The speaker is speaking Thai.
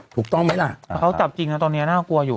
ถูกต้องไหมล่ะถ้าเขาจับจริงนะตอนนี้น่ากลัวอยู่